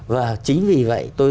và chính vì vậy tôi